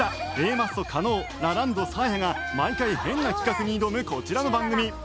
マッソ加納ラランドサーヤが毎回変な企画に挑むこちらの番組